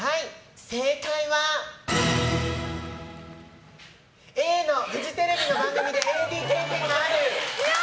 正解はＡのフジテレビの番組でＡＤ経験がある。